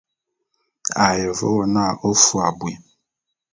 A ye ve wo n'a ô fôé abui.